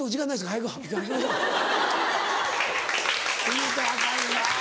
言うたらアカンよな。